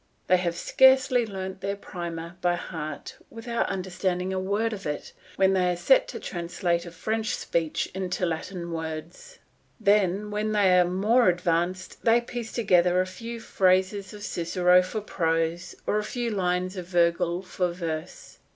They have scarcely learnt their primer by heart, without understanding a word of it, when they are set to translate a French speech into Latin words; then when they are more advanced they piece together a few phrases of Cicero for prose or a few lines of Vergil for verse.